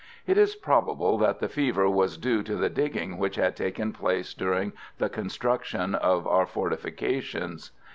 It is probable that the fever was due to the digging which had taken place during the construction of our fortifications.